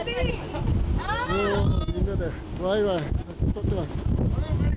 みんなでわいわい写真撮ってます。